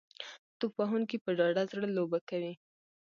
توپ وهونکي په ډاډه زړه لوبه کوي.